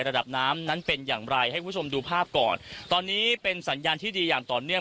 ระดับน้ำนั้นเป็นอย่างไรให้คุณผู้ชมดูภาพก่อนตอนนี้เป็นสัญญาณที่ดีอย่างต่อเนื่อง